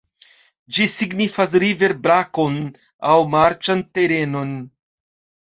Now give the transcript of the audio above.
Ĝi signifas river-brakon aŭ marĉan terenon.